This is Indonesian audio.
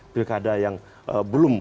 pilkada yang belum